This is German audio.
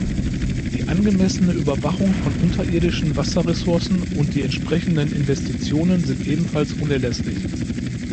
Die angemessene Überwachung von unterirdischen Wasserressourcen und die entsprechenden Investitionen sind ebenfalls unerlässlich.